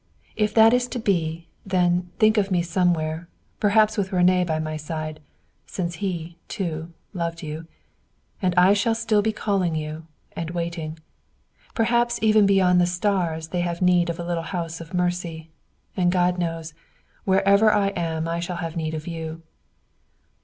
"If that is to be, then think of me somewhere, perhaps with René by my side, since he, too, loved you. And I shall still be calling you, and waiting. Perhaps even beyond the stars they have need of a little house of mercy; and, God knows, wherever I am I shall have need of you."